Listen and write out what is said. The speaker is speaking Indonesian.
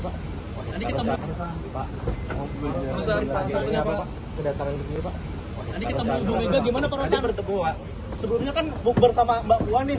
tadi kita menunggu bagaimana perusahaan sebelumnya kan bersama mbak wani